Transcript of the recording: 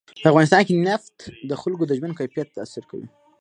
په افغانستان کې نفت د خلکو د ژوند په کیفیت تاثیر کوي.